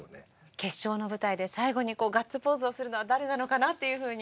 決勝の舞台で最後にこうガッツポーズをするのは誰なのかなっていう風に。